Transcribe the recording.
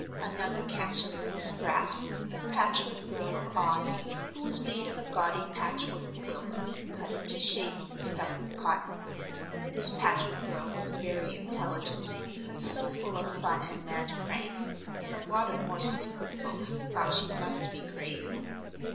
Another counsellor was Scraps, the Patchwork Girl of Oz, who was made of a gaudy patchwork quilt, cut into shape and stuffed with cotton. This Patchwork Girl was very intelligent, but so full of fun and mad pranks that a lot of more stupid folks thought she must be crazy.